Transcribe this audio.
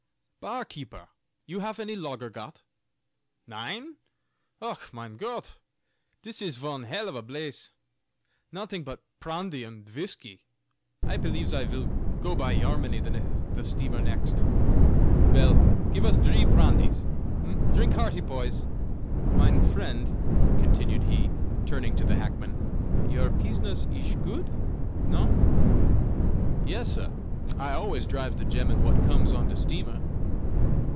"Barkeeper, you haf any lager got? Nein? Och, mine Got, dis ish von h l of a blace! Notting put prandy und vhisky! I pelieves I vill go by Yarmany the steamer next. Vell, give us dree prandys! Trink hearty, poys. Mine frient," continued he, turning to the hackman, "your peesness ish goot? No?" "Yes, sah! I always dribes the gemmen what comes on de steamer.